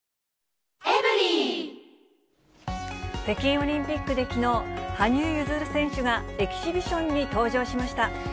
北京オリンピックできのう、羽生結弦選手がエキシビションに登場しました。